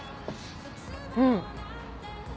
うん。